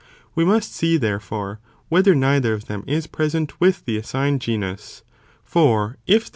We must see, therefore, whether neither of them is present with the assigned genus, for if they are 1 Cf.